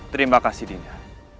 terima kasih dinda